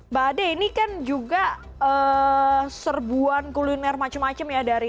mbak ade ini kan juga serbuan kuliner macam macam ya dari